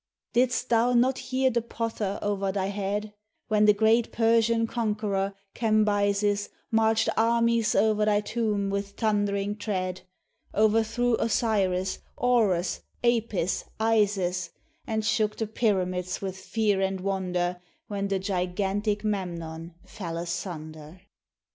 Didst thou not hear the pother o'er thy head, When the great Persian conqueror, Cambyses, Marched armies o'er thy tomb with thundering tread, — O'erthrew Osiris, Orus, Apis, Isis ; And shook the pyramids with fear and wonder, When the gigantic Memnon fell asunder?